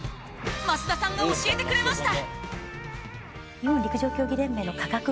増田さんが教えてくれました。